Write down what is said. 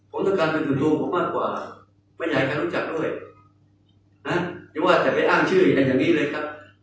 ผมต้องการเป็นตัวผมมากกว่าไม่อยากให้รู้จักด้วยฮะอย่าว่าจะไปอ้างชื่ออย่างอย่างนี้เลยครับ